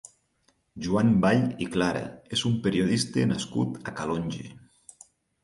Joan Vall i Clara és un periodista nascut a Calonge.